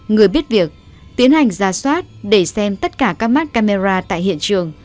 người biết việc tiến hành ra soát để xem tất cả các mắt camera tại hiện trường